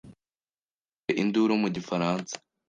yavugije induru mu gifaransa.